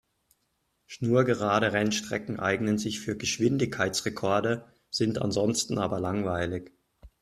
Schnurgerade Rennstrecken eignen sich für Geschwindigkeitsrekorde, sind ansonsten aber langweilig.